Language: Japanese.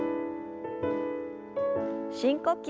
深呼吸。